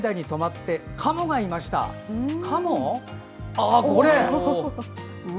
ああ、これ！